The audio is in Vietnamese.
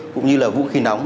cũng như là vũ khí nóng